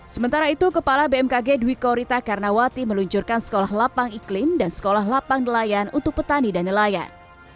sementara itu kepala bmkg dwi korita karnawati meluncurkan sekolah lapang iklim dan sekolah lapang nelayan untuk petani dan nelayan